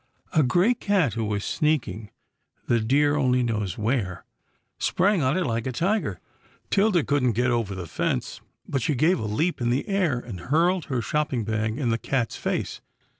A gray cat who was sneaking, the dear only knows where, sprang on it like a tiger. 'Tilda couldn't get over the fence, but she gave a leap in the air, and hurled her shopping bag in the cat's face.